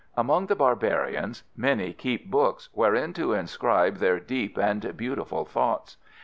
Among the barbarians many keep books wherein to inscribe their deep and beautiful thoughts.